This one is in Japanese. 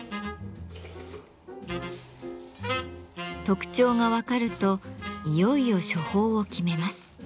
特徴が分かるといよいよ処方を決めます。